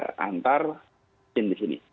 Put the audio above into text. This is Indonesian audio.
saya antar mungkin di sini